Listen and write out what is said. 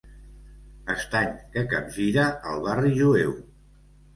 Estany que capgira el barri jueu.